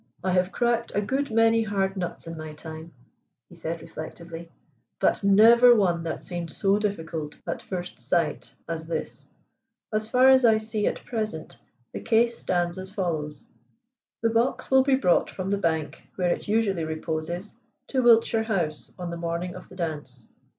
"I have cracked a good many hard nuts in my time," he said reflectively, "but never one that seemed so difficult at first sight as this. As far as I see at present, the case stands as follows: the box will be brought from the bank where it usually reposes to Wiltshire House on the morning of the dance.